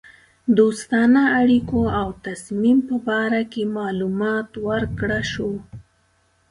دوستانه اړېکو او تصمیم په باره کې معلومات ورکړه شوه.